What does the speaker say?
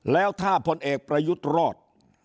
แล้วถ้าพลเอกประยุทธ์รอด